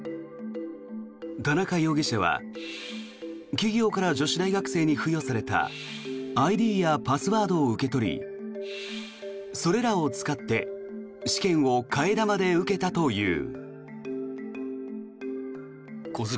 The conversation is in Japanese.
田中容疑者は企業から女子大学生に付与されたＩＤやパスワードを受け取りそれらを使って試験を替え玉で受けたという。